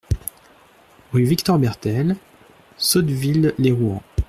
Rue Victor Bertel, Sotteville-lès-Rouen